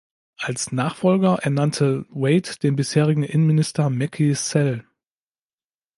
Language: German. Als Nachfolger ernannte Wade den bisherigen Innenminister Macky Sall.